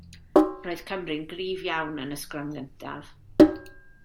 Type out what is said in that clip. Roedd Cymru'n gryf iawn yn y sgrym gyntaf.